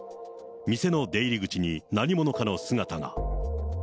店の出入り口に何者かの姿が。